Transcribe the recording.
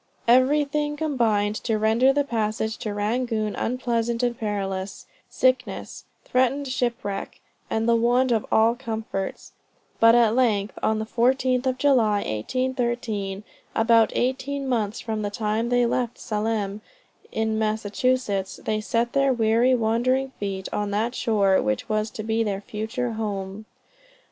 Everything combined to render the passage to Rangoon unpleasant and perilous; sickness, threatened shipwreck, and the want of all comforts; but at length on the 14th of July, 1813, about eighteen months from the time they left Salem, in Massachusetts, they set their 'weary, wandering feet' on that shore which was to be their future home.